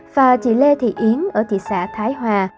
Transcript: và chị lê thị yến ở thị xã thái hòa